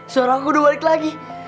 suara aku udah balik lagi